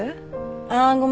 あごめん。